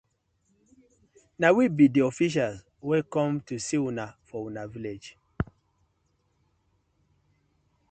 Na we bi di officials wey com to see una for una village.